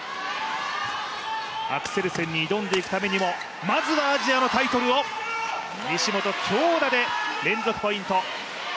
アクセルセンに挑んでいくためにもまずはアジアのタイトルを西本、強打で連続ポイント！